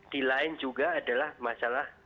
di lain juga adalah masalah yang terjadi